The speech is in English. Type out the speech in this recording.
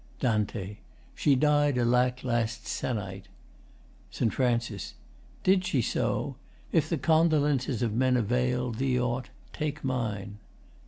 DAN. She died, alack, last sennight. ST. FRAN. Did she so? If the condolences of men avail Thee aught, take mine.